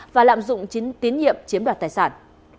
và lạm dụng tín nhiệm chiếm đoạt tài sản